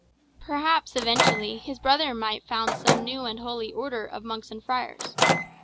Perhaps, eventually, his brother might found some new and holy order of monks and friars.